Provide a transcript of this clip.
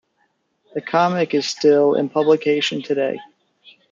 The comic is still in publication today.